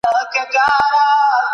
ايا باور رامنځته کيږي؟